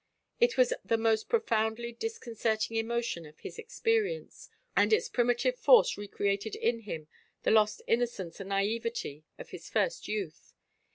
It was the most profoundly discon certing emotion of his experience, and its primitive force re created in him the lost innocence and naivete of his first youth.